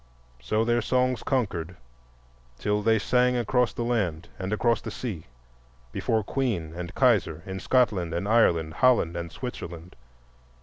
So their songs conquered till they sang across the land and across the sea, before Queen and Kaiser, in Scotland and Ireland, Holland and Switzerland.